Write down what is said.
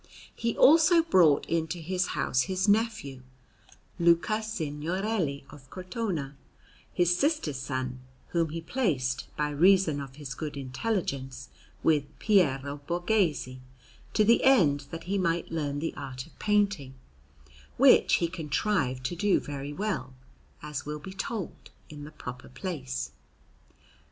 He also brought into his house his nephew, Luca Signorelli of Cortona, his sister's son, whom he placed, by reason of his good intelligence, with Piero Borghese, to the end that he might learn the art of painting; which he contrived to do very well, as will be told in the proper place.